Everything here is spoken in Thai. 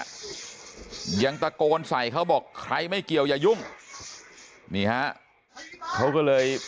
ยังตะโกนใส่เขาบอกใครไม่เกี่ยวอย่ายุ่งนี่ฮะเขาก็เลย